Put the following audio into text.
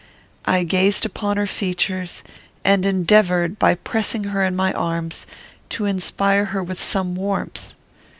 I gazed upon her features, and endeavoured, by pressing her in my arms, to inspire her with some warmth.